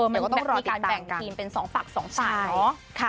มันก็ต้องมีการแบ่งทีมเป็นสองฝั่งสองฝ่ายเนาะ